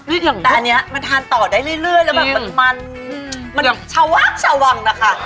แต่อันนี้มันทานต่อได้เรื่อยแล้วแบบมันมันชาวักชาววังนะคะ